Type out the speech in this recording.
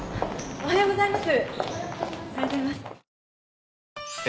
おはようございます。